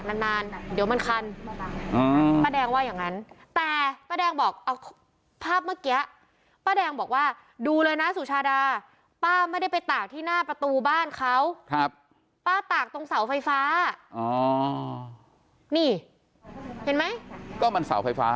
นานนานเดี๋ยวมันคันป้าแดงว่าอย่างนั้นแต่ป้าแดงบอกเอาภาพเมื่อกี้ป้าแดงบอกว่าดูเลยนะสุชาดาป้าไม่ได้ไปตากที่หน้าประตูบ้านเขาครับป้าตากตรงเสาไฟฟ้านี่เห็นไหมก็มันเสาไฟฟ้า